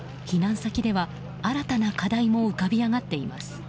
避難先では新たな課題も浮かび上がっています。